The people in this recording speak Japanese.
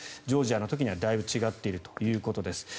ジョージアの時にはだいぶ違っているということです。